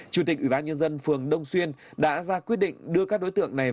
chủ tịch ủy ban nhân dân phường đông xuyên đã ra quyết định đưa các đối tượng này